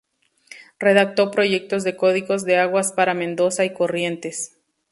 Redactó proyectos de códigos de aguas para Mendoza y Corrientes.